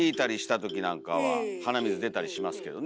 鼻水出たりしますけどね。